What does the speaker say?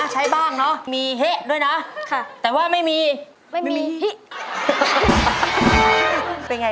ขอบคุณค่ะ